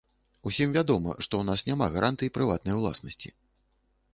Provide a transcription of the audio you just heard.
Усім вядома, што ў нас няма гарантый прыватнай уласнасці.